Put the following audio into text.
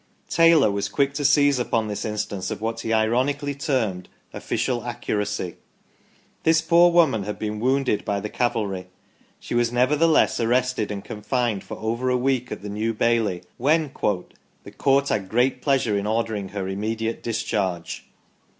Taylor was quick to seize upon this instance of what he ironically termed " official accuracy ". This poor woman had been wounded by the cavalry. She was nevertheless arrested, and confined for over a week at the New Bailey, when " the Court had great pleasure in ordering her immediate discharge